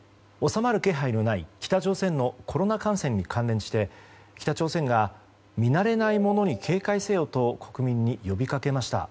収まる気配のない北朝鮮のコロナ感染に関連して北朝鮮が見慣れないものに警戒せよと国民に呼びかけました。